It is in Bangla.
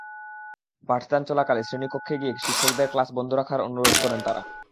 পাঠদান চলাকালে শ্রেণীকক্ষে গিয়ে শিক্ষকদের ক্লাস বন্ধ রাখার অনুরোধ করেন তাঁরা।